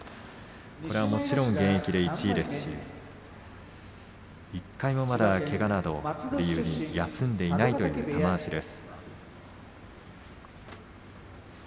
これはもちろん現役で１位ですし１回もまだ、けがなどを理由に休んでいないという玉鷲です。